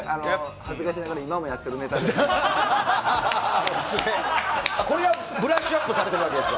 恥ずかしながら今もやってるネタですね。